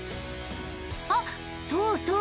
あっそうそう。